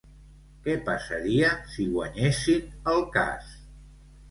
Què passaria si guanyessin el cas?